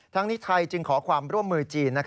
นี้ไทยจึงขอความร่วมมือจีน